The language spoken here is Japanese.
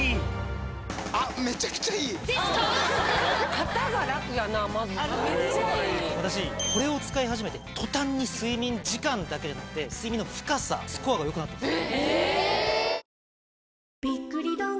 話題の枕私これを使い始めて途端に睡眠時間だけじゃなくて睡眠の深さスコアがよくなったんです。